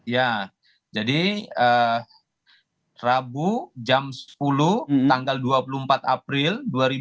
ya jadi rabu jam sepuluh tanggal dua puluh empat april dua ribu dua puluh